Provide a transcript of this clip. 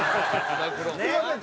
すみません